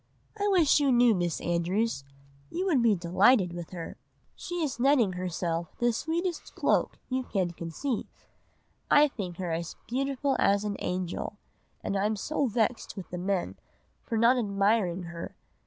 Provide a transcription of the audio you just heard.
I wish you knew Miss Andrews, you would be delighted with her. She is netting herself the sweetest cloak you can conceive. I think her as beautiful as an angel, and I am so vexed with the men for not admiring her!